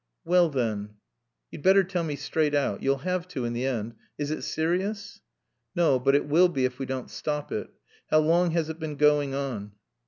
"Well, then " "You'd better tell me straight out. You'll have to, in the end. Is it serious?" "No. But it will be if we don't stop it. How long has it been going on?"